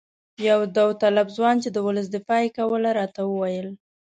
یو داوطلب ځوان چې د ولس دفاع یې کوله راته وویل.